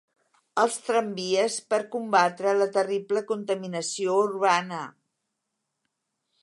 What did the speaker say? Els tramvies per combatre la terrible contaminació urbana.